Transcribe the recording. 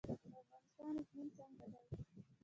د افغانستان اقلیم څنګه دی؟